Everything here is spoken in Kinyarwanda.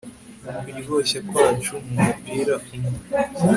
kuryoshya kwacu mumupira umwe